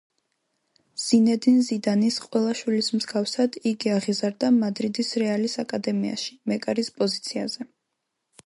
ზინედინ ზიდანის ყველა შვილის მსგავსად იგი აღიზარდა „მადრიდის რეალის“ აკადემიაში, მეკარის პოზიციაზე.